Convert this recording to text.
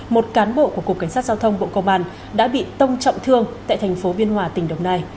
một cán bộ của cục cảnh sát giao thông bộ công an đã bị tông trọng thương tại thành phố biên hòa tỉnh đồng nai